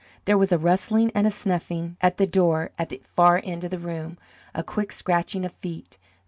There was a rustling and a snuffing at the door at the far end of the room, a quick scratching of feet.